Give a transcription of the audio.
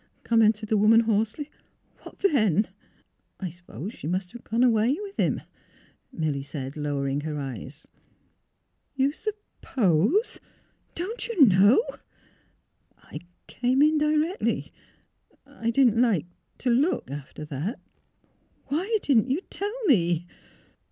" commented the woman, hoarsely. ''What then? "" I suppose she must have gone away with him," Milly said, lowering her eyes. " You suppose? — Don't you know? "'' I — came in directly. I — didn't like to — look, after that." " Why didn't you tell me?